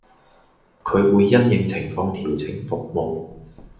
佢會因應情況調整服務